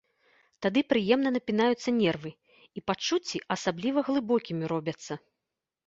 Тады прыемна напінаюцца нервы і пачуцці асабліва глыбокімі робяцца.